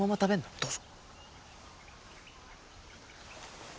どうぞ。